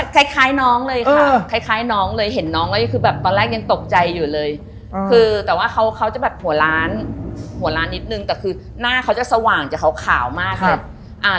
คล้ายน้องเลยค่ะคล้ายน้องเลยเห็นน้องก็คือแบบตอนแรกยังตกใจอยู่เลยคือแต่ว่าเขาเขาจะแบบหัวล้านหัวล้านนิดนึงแต่คือหน้าเขาจะสว่างจะขาวมากเลย